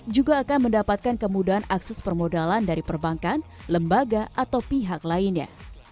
juga akan mendapatkan kemudahan akses permodalan dari perbankan lembaga atau pihak lainnya